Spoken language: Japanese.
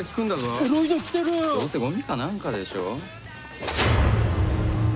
どうせゴミか何かでしょ。